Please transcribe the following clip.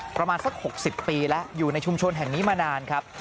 ประมาณสัก๖๐ปีแล้วอยู่ในชุมชนแห่งนี้มานานครับ